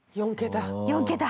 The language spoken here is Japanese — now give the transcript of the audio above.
４桁。